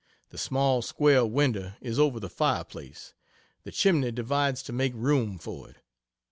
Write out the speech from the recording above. The small square window is over the fireplace; the chimney divides to make room for it.